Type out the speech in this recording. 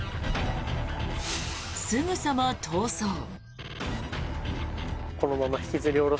すぐさま、逃走。